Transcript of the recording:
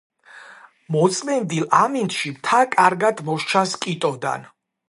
მოწმენდილ ამინდში მთა კარგად მოსჩანს კიტოდან.